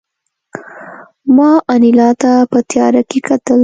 ما انیلا ته په تیاره کې کتل